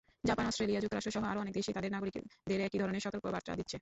Japan, Australia, যুক্তরাষ্ট্রসহ আরও অনেক দেশই তাদের নাগরিকদের একই ধরনের সতর্কবার্তা দিচ্ছে।